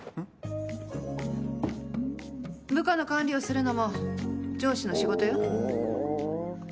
部下の管理をするのも上司の仕事よ。